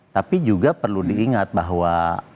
tapi juga perlu diingat bahwa